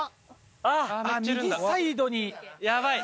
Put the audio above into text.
右サイドに。